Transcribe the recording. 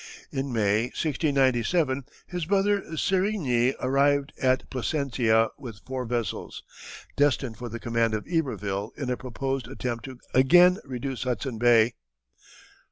In May, 1697, his brother Serigny arrived at Placentia with four vessels, destined for the command of Iberville in a proposed attempt to again reduce Hudson Bay.